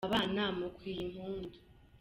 Abana mukwiye impundu.